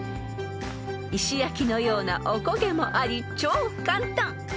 ［石焼きのようなおこげもあり超簡単］